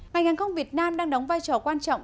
ngành hàng không việt nam đang đóng vai trò quan trọng